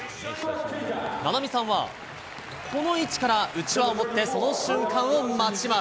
菜波さんは、この位置から、うちわを持ってその瞬間を待ちます。